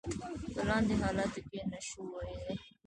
په لاندې حالاتو کې نشو ویلای.